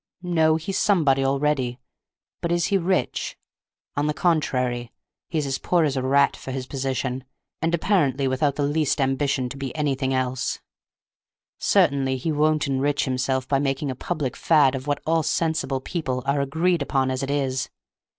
No, he's somebody already. But is he rich? On the contrary, he's as poor as a rat for his position, and apparently without the least ambition to be anything else; certainly he won't enrich himself by making a public fad of what all sensible people are agreed upon as it is.